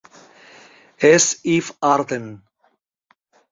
És Eve Arden.